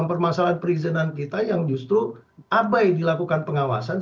permasalahan perizinan kita yang justru abai dilakukan pengawasan